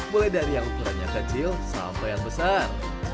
mulai dari yang ukurannya kecil sampai yang besar